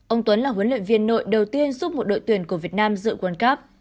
ông tuấn là huấn luyện viên nội đầu tiên giúp một đội tuyển của việt nam dự world cup